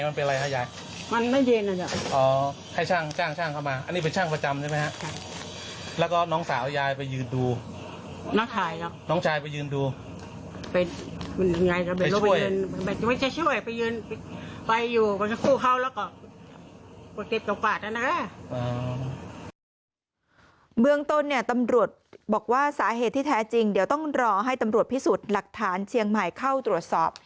ไม่ใช่ช่วยไปยืนไปอยู่ก็จะคู่เข้าแล้วก็